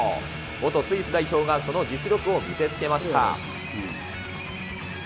元スイス代表がその実力を見せつけました。